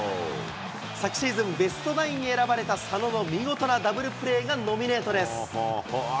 昨シーズン、ベストナインに選ばれた佐野の見事なダブルプレーがノミネートです。